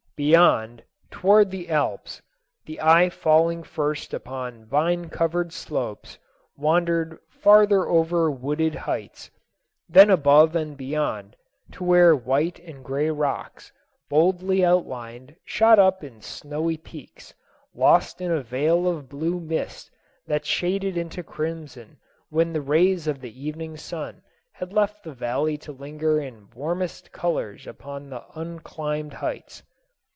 Beyond, towered the Alps ; the eye falling first upon vine covered slopes, wandered farther over wooded heights, then above and beyond to where white and gray rocks, boldly outlined, shot up in snowy peaks, lost in a veil of blue mist that shaded into crimson when the rays of the evening sun had left the valley to linger iii warmest colors upon the unclimbed heights.